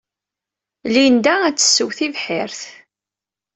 Linda ad tessew tibḥirt.